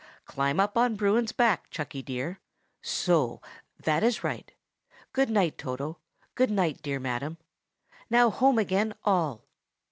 Climb up on Bruin's back, Chucky dear! so, that is right. Good night, Toto. Good night, dear madam. Now home again, all!"